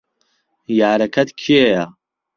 یارەکەت کێیە؟